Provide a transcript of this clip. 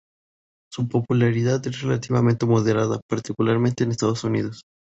Su popularidad es relativamente moderada, particularmente en Estados Unidos.